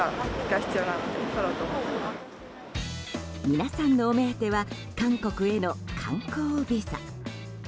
皆さんのお目当ては韓国への観光ビザ。